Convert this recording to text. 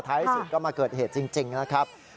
ที่สุดก็มาเกิดเหตุจริงนะครับ